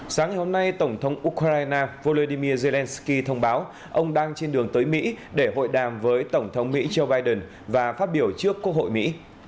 sáng ngày hôm nay tổng thống ukraine volodymyr zelenskyy thông báo ông đang trên đường tới mỹ để hội đàm với tổng thống mỹ joe biden và phát biểu trước quốc hội mỹ